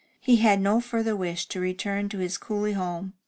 He had no further wish to return to his coolly home.